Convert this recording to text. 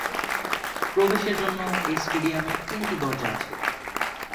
প্রবেশের জন্য এ স্টেডিয়ামে তিনটি দরজা আছে।